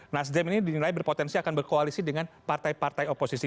nasdem ini dinilai berpotensi akan berkoalisi dengan partai partai oposisi